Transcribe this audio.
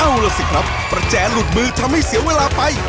เอาล่ะสิครับประแจหลุดมือทำให้เสียเวลาไป